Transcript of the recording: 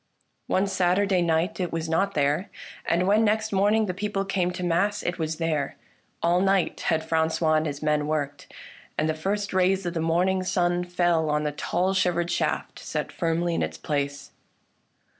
One Saturday night it was not there, and when next morning the people came to mass it was there. All night had Francois and his men worked, and the first rays of the morning sun fell on the tall shivered shaft set firmly in its place.